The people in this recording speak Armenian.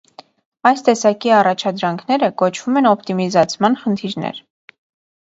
Այս տեսակի առաջադրանքները կոչվում են օպտիմիզացման խնդիրներ։